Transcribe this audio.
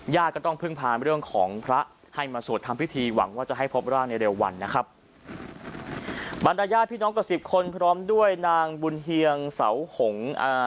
ก็ต้องพึ่งพาเรื่องของพระให้มาสวดทำพิธีหวังว่าจะให้พบร่างในเร็ววันนะครับบรรดาญาติพี่น้องกว่าสิบคนพร้อมด้วยนางบุญเฮียงเสาหงอ่า